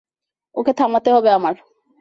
ওকে থামাতে হবে আমার।